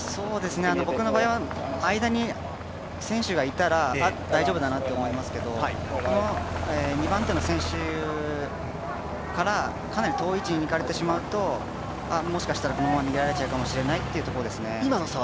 僕の場合は間に選手がいたらあ、大丈夫だなと思いますけど２番手の選手から、かなり遠い位置に行かれてしまうともしかしたらこのまま逃げられちゃうかもしれないというところですね。